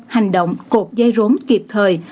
hành động cột dây rốn kịp thời